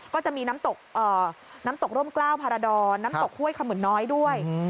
ก็จะมีน้ำตกร่มกล้าวพาราดรน้ำตกห้วยขมืนน้อยด้วย